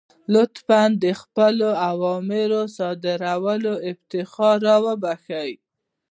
لطفا د خپلو اوامرو د صادرولو افتخار را وبخښئ.